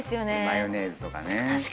マヨネーズとかね。